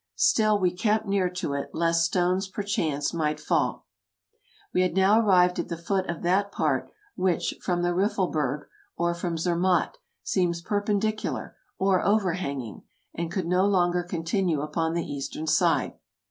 Still, we kept near to it, lest stones perchance might fall. We had now arrived at the foot of that part which, from the Riffelberg or from Zermatt, seems perpendicular or overhanging, and could no longer continue upon the eastern side.